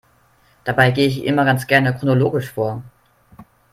Dabei gehe ich immer ganz gerne chronologisch vor.